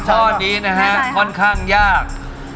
ข้อนี้นะครับค่อนข้างยาก